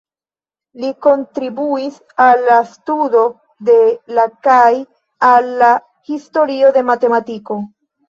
Li kontribuis al la studo de la kaj al la historio de matematiko.